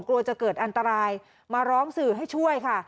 กลัวจะเกิดอันตรายมาร้องสื่อให้ช่วยค่ะ